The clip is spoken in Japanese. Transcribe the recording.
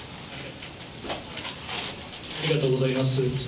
ありがとうございます。